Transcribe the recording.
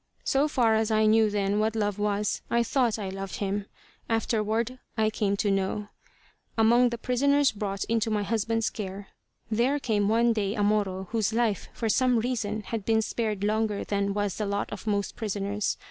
So far as I knew then what love was, I thought I loved him. Afterward, I came to know. "Among the prisoners brought into my husband's care there came one day a Moro, whose life, for some reason, had been spared longer than was the lot of most prisoners.